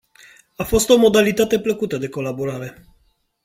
A fost o modalitate plăcută de colaborare.